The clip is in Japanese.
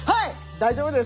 大丈夫です。